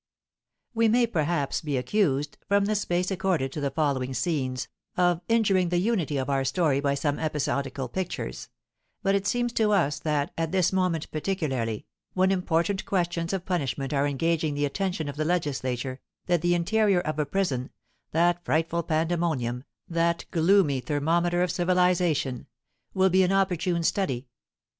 We may, perhaps, be accused, from the space accorded to the following scenes, of injuring the unity of our story by some episodical pictures; but it seems to us that, at this moment particularly, when important questions of punishment are engaging the attention of the legislature, that the interior of a prison that frightful pandemonium, that gloomy thermometer of civilisation will be an opportune study.